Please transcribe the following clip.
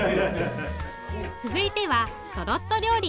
続いてはトロッと料理。